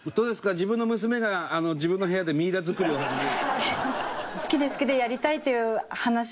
自分の娘が自分の部屋でミイラ作りを始める。